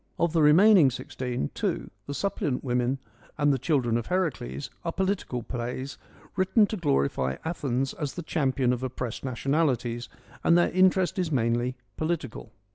Of the remaining sixteen, two, the Sup pliant Women and the Children of Heracles, are political plays, written to glorify Athens as the champion of oppressed nationalities, and their interest is manly political.